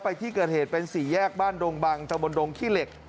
ไปที่เกิดเหตุเป็นสี่แยกบ้านดงบังตะบนดงขี้เหล็ก